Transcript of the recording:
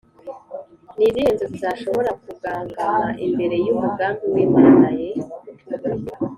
ni izihe nzozi zashobora kugangama imbere y’umugambi w’imana ye